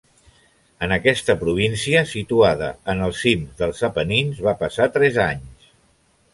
En aquesta província situada en els cims dels Apenins va passar tres anys.